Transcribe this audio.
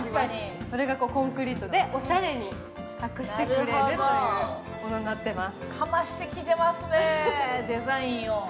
それがコンクリートでおしゃれに隠してくれるというものになってます。